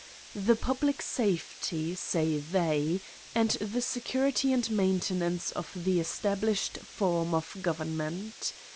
The public safely, say they, and the security and maintenance of the established form of government.